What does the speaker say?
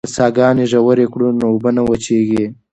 که څاګانې ژورې کړو نو اوبه نه وچېږي.